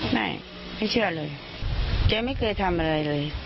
ไม่เข้าเชื่อเลยเคยไม่เคยทำอะไรเลย